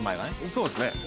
そうですね。